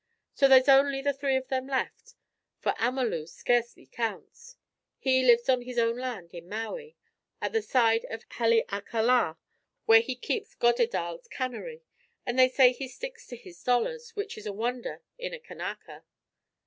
So there's only the three of them left, for Amalu scarcely counts. He lives on his own land in Maui, at the side of Hale a ka la, where he keeps Goddedaal's canary; and they say he sticks to his dollars, which is a wonder in a Kanaka.